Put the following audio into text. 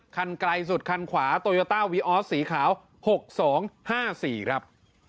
คันไกลสุดคันขวาโตยาตาวีออสสีขาวหกสองห้าสี่ครับ